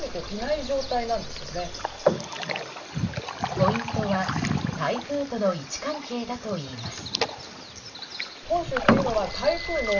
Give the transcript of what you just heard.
ポイントは台風との位置関係だといいます。